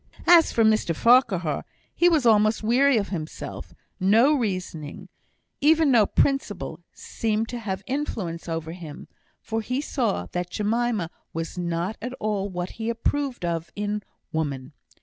As for Mr Farquhar, he was almost weary of himself; no reasoning, even no principle, seemed to have influence over him, for he saw that Jemima was not at all what he approved of in woman.